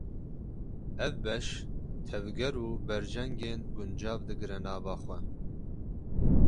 Ev beş, tevger û berjengên guncav digire nava xwe.